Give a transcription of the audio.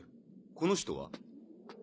この人は？